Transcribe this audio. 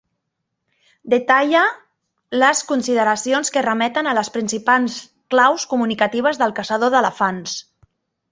Detalle les consideracions que remeten a les principals claus comunicatives del caçador d'elefants.